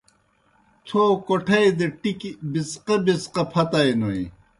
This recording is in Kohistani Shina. تھو کوٹھائی دہ ٹِکیْ بِڅقہ بِڅقہ پھتائینوئے۔